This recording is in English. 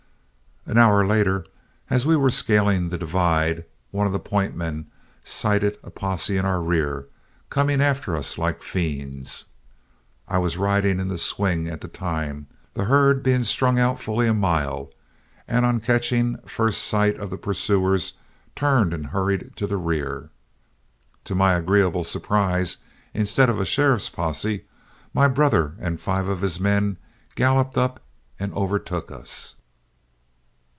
An hour later, as we were scaling the divide, one of the point men sighted a posse in our rear, coming after us like fiends. I was riding in the swing at the time, the herd being strung out fully a mile, and on catching first sight of the pursuers, turned and hurried to the rear. To my agreeable surprise, instead of a sheriff's posse, my brother and five of his men galloped up and overtook us.